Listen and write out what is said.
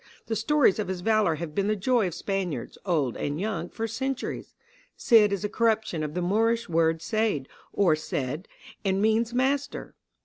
The stories of his valor have been the joy of Spaniards, old and young, for centuries. Cid is a corruption of the Moorish word seyd or said, and means master.